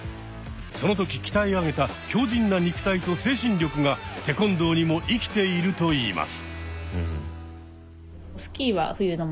その時鍛え上げた強じんな肉体と精神力がテコンドーにも生きているといいます。